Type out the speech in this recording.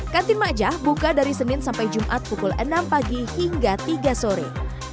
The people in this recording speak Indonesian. kantin majah buka dari senin sampai jumat pukul enam pagi hingga tiga sore